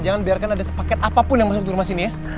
jangan biarkan ada paket apapun yang masuk di rumah sini ya